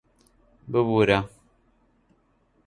ببوورە...